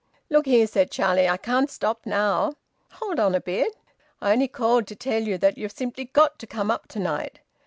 "Look here," said Charlie. "I can't stop now." "Hold on a bit." "I only called to tell you that you've simply got to come up to night."